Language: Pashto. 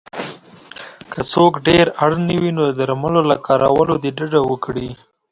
که څوک ډېر اړ نه وی نو د درملو له کارولو دې ډډه وکړی